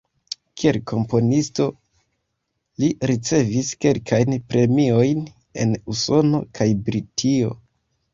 Kiel komponisto, li ricevis kelkajn premiojn en Usono kaj Britio.